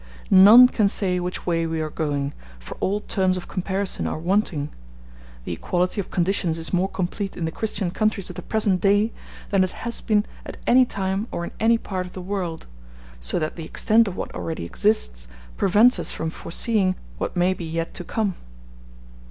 None can say which way we are going, for all terms of comparison are wanting: the equality of conditions is more complete in the Christian countries of the present day than it has been at any time or in any part of the world; so that the extent of what already exists prevents us from foreseeing what may be yet to come.